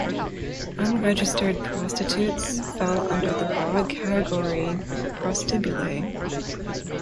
Unregistered prostitutes fell under the broad category prostibulae.